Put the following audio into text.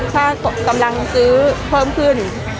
ถ้ากำลังซื้อเพิ่มขึ้น